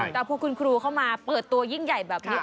แต่พอคุณครูเข้ามาเปิดตัวยิ่งใหญ่แบบนี้